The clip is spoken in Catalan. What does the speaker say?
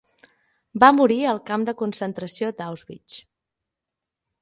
Va morir al camp de concentració d'Auschwitz.